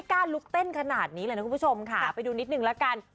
คุณผู้ชมค่ะไปดูนิดหนึ่งแล้วกัน